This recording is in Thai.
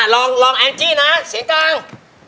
ลองแองจี้นะเสียงกลาง